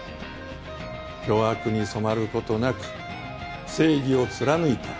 巨悪に染まる事なく正義を貫いた。